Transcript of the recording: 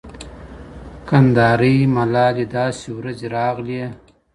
کندارۍ ملالې داسې ورځې راغلې